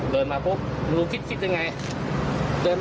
เดินมาปุ๊บรู้คิดยังไง